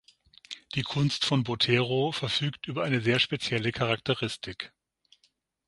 Die Kunst von Botero verfügt über eine sehr spezielle Charakteristik.